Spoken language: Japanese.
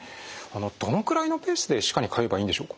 どのくらいのペースで歯科に通えばいいんでしょうか？